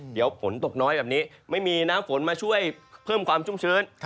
เดี๋ยวฝนตกน้อยแบบนี้ไม่มีน้ำฝนมาช่วยเพิ่มความชุ่มชื้น